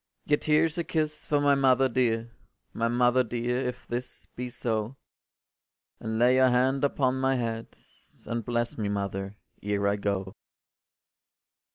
“Yet here’s a kiss for my mother dear, My mother dear, if this be so, And lay your hand upon my head, And bless me, mother, ere I go.